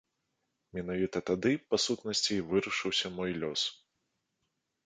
Менавіта тады, па сутнасці, і вырашыўся мой лёс.